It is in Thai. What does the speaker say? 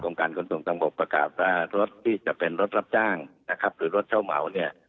การขนส่งทางบกประกาศว่ารถที่จะเป็นรถรับจ้างนะครับหรือรถเช่าเหมาเนี่ย